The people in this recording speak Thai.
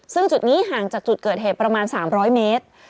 ซึ่งจุดนี้ห่างจากจุดเกิดเหตุประมาณ๓๐๐เมตร